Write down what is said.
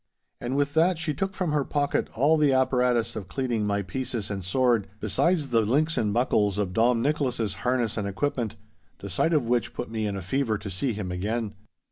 And with that she took from her pocket all the apparatus of cleaning my pieces and sword, besides the links and buckles of Dom Nicholas's harness and equipment, the sight of which put me in a fever to see him again.